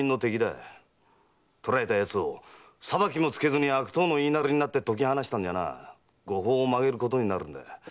捕らえた奴を裁きもつけずに悪党の言いなりになって解き放したら御法を曲げることになるんだ。